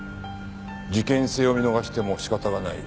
事件性を見逃しても仕方がない。